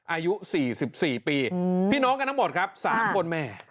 อายุ๔๔ปีพี่น้องกันทั้งหมดครับ๓คนแม่